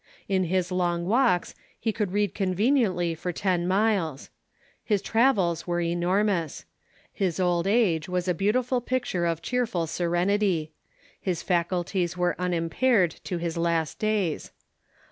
In his long walks he could read conveniently for ten miles. His travels were enormous. His old age was a beautiful pict ure of cheerful serenity. His faculties were unimpaired to his last days.